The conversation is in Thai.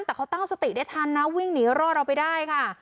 แต่เขาตั้งสติได้ทันนะวิ่งหนีรอดเอาไปได้ค่ะ